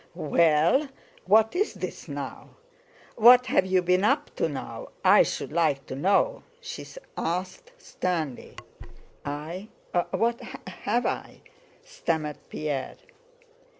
"Well, what's this now? What have you been up to now, I should like to know?" she asked sternly. "I? What have I...?" stammered Pierre.